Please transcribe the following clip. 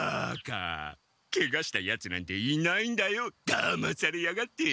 だまされやがって！